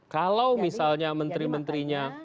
kalau misalnya menteri menterinya